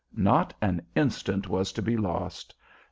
Not an instant was to be lost.